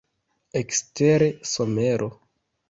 Ekstere somero.